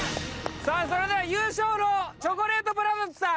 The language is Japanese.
それでは優勝のチョコレートプラネットさん。